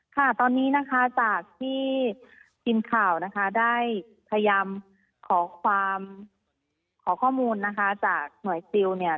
ค่ะตอนนี้นะคะจากที่ทีมข่าวนะคะได้พยายามขอความขอข้อมูลนะคะจากหน่วยซิลเนี่ย